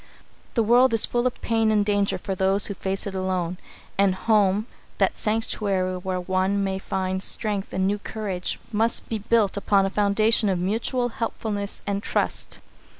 The world is full of pain and danger for those who face it alone, and home, that sanctuary where one may find strength and new courage, must be built upon a foundation of mutual helpfulness and trust.